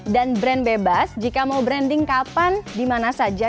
brand bebas jika mau branding kapan dimana saja